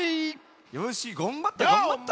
よしがんばったがんばった。